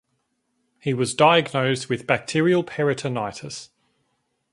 He was diagnosed with bacterial peritonitis.